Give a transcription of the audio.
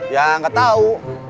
ya nggak tahu